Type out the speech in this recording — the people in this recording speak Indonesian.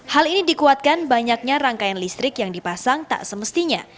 hal ini dikuatkan banyaknya rangkaian listrik yang dipasang tak semestinya